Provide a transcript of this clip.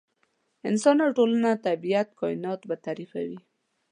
انسان او ټولنه، طبیعت، کاینات به تعریفوي.